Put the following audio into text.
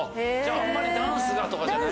あんまりダンスがとかじゃない？